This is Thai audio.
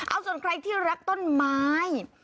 เอาส่วนใครที่รักต้นไม้